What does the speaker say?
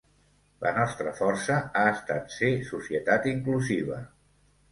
La nostra força ha estat ser societat inclusiva.